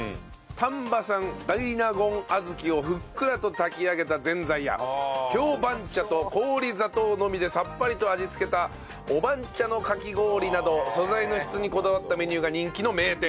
丹波産大納言小豆をふっくらと炊き上げたぜんざいや京番茶と氷砂糖のみでさっぱりと味付けたお番茶のかき氷など素材の質にこだわったメニューが人気の名店。